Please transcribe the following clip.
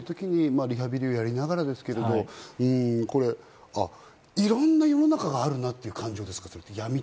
そういう時にリハビリをやりながらですけれどもいろんな世の中があるなっていう感情ですか？